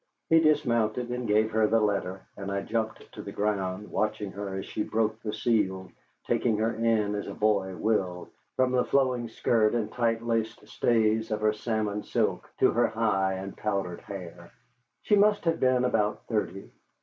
He dismounted and gave her the letter, and I jumped to the ground, watching her as she broke the seal, taking her in, as a boy will, from the flowing skirt and tight laced stays of her salmon silk to her high and powdered hair. She must have been about thirty.